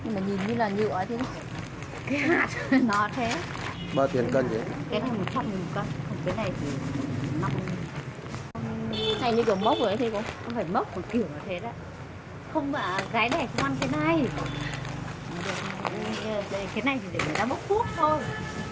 cái này thì để người ta bốc thuốc thôi